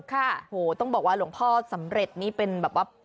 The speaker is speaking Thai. โหต้องบอกว่าหลวงพ่อสำเร็จนี่เป็นแบบว่า